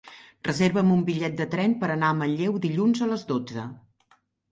Reserva'm un bitllet de tren per anar a Manlleu dilluns a les dotze.